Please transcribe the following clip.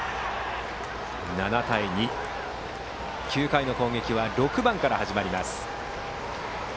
７対２で９回の攻撃は６番から始まります。